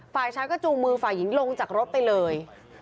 ฝ่ายชายก็จูงมือฝ่ายหญิงลงจากรถไปเลย